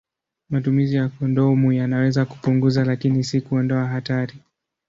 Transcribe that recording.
Matumizi ya kondomu yanaweza kupunguza, lakini si kuondoa hatari.